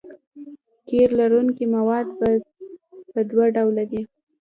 قیر لرونکي مواد په دوه ډوله دي